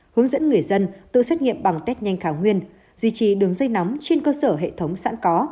hướng dẫn người dân tự xét nghiệm bằng test nhanh khả nguyên duy trì đường dây nóng trên cơ sở hệ thống sẵn có